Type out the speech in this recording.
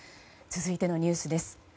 続いてのニュースです。